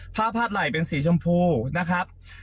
ผ้าพาดไหล่เป็นสีชมพูนะครับ